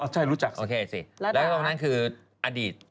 แล้วก็คืออดีต